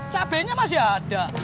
cabenya masih ada